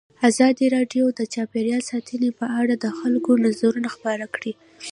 ازادي راډیو د چاپیریال ساتنه په اړه د خلکو نظرونه خپاره کړي.